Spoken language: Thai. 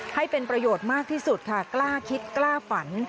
แทบจะไม่ต่างกันเลย